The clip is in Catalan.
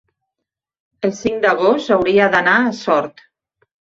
el cinc d'agost hauria d'anar a Sort.